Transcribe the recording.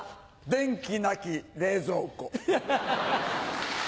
電気なき冷蔵庫。